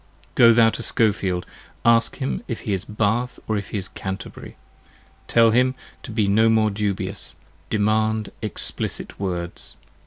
Go thou to Skofield : ask him if he is Bath or if he is Canterbury. 60 Tell him to be no more dubious: demand explicit words.